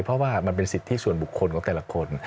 เพราะว่ามันเป็นสิทธิส่วนบุคคลของแต่ละคน